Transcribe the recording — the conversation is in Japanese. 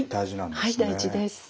はい大事です。